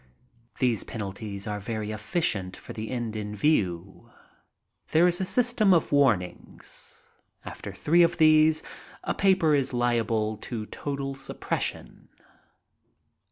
These penalties are very efficient for Ac end in view. There is a system of warnings: after three of these a paper is liable to total suppression.